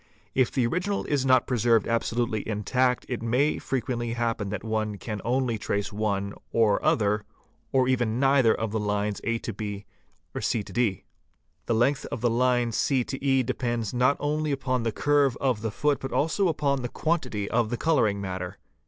If the original s not preserved absolutely intact it may frequently happen that one can only trace one or other or even neither of the lines A B,C D. The length of the line C EH depends not only upon the curve of the foot but also upon the quantity of the colouring matter.